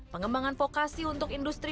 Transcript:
pengembangan fokasi untuk industri empat